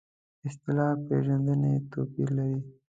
اصطلاح پېژندنې توپیر لري.